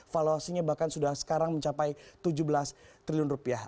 valuasinya bahkan sudah sekarang mencapai tujuh belas triliun rupiah